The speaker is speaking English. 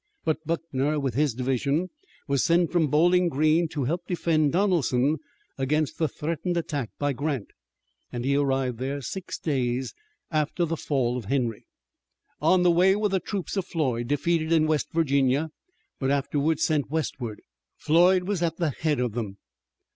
But Buckner, with his division, was sent from Bowling Green to help defend Donelson against the threatened attack by Grant, and he arrived there six days after the fall of Henry. On the way were the troops of Floyd, defeated in West Virginia, but afterwards sent westward. Floyd was at the head of them.